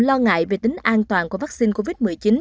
lo ngại về tính an toàn của vaccine covid một mươi chín